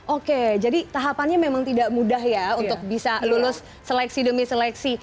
oke jadi tahapannya memang tidak mudah ya untuk bisa lulus seleksi demi seleksi